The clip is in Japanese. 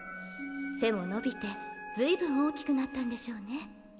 背も伸びて、随分大きくなったんでしょうね。